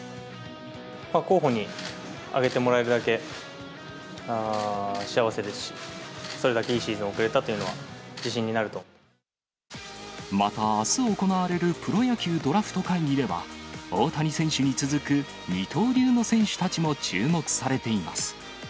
候補に挙げてもらえるだけ幸せですし、それだけいいシーズンを送れたというのは、自信になるまた、あす行われるプロ野球ドラフト会議では、大谷選手に続く二刀流の選手たちも注目されています。